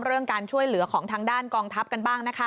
เรื่องการช่วยเหลือของทางด้านกองทัพกันบ้างนะคะ